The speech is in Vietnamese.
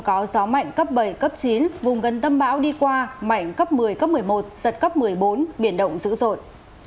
có gió mạnh cấp bảy cấp chín vùng gần tâm bão đi qua mạnh cấp một mươi cấp một mươi một giật cấp một mươi bốn biển động dữ dội